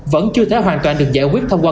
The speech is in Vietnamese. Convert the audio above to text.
vẫn chưa thể hoàn toàn được giải quyết thông qua